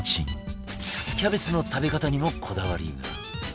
キャベツの食べ方にもこだわりが